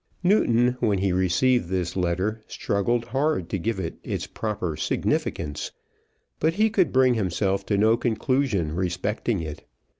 Newton, when he received this letter, struggled hard to give to it its proper significance, but he could bring himself to no conclusion respecting it.